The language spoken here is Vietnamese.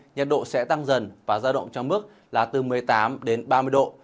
nhật độ sẽ tăng dần và ra động trong mức là từ một mươi tám đến ba mươi độ